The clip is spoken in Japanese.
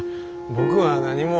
僕は何も。